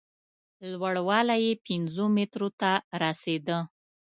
لوړوالی یې پینځو مترو ته رسېده.